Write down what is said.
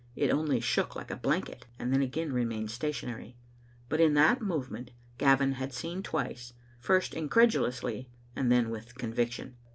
It only shook like a blanket, and then again remained stationary. But in thai movement Gavin had seen twice, first incredulously, and then with conviction.